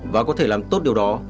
và có thể làm tốt điều đó